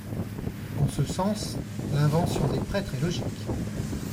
En ce sens, l’invention des prêtres est logique.